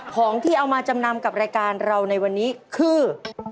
ของที่เอามาจำนำกับรายการเราในวันนี้คือ